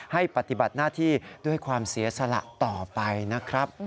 ปฏิบัติหน้าที่ด้วยความเสียสละต่อไปนะครับ